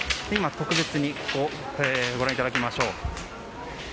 今、特別にご覧いただきましょう。